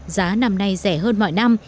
giá năm nay rẻ hơn mọi năm